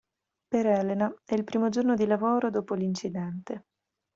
Per Elena è il primo giorno di lavoro dopo l'incidente.